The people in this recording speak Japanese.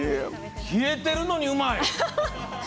冷えてるのにうまい！